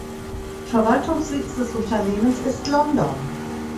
Verwaltungssitz des Unternehmens ist London.